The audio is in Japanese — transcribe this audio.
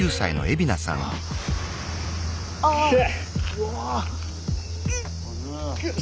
うわ！